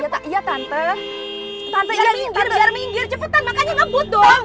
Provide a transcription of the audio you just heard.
tante iya minggir biar minggir cepetan makanya ngebut dong